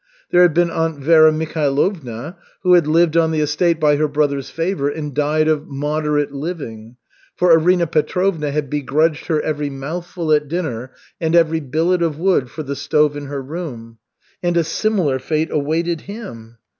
There had been Aunt Vera Mikhailovna, who had lived on the estate by her brother's favor and died of "moderate living"; for Arina Petrovna had begrudged her every mouthful at dinner and every billet of wood for the stove in her room. And a similar fate awaited him.